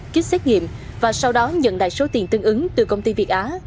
kích xét nghiệm và sau đó nhận lại số tiền tương ứng từ công ty việt á